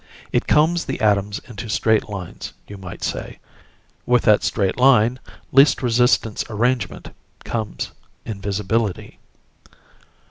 It combs the atoms into straight lines, you might say. With that straight line, least resistance arrangement comes invisibility."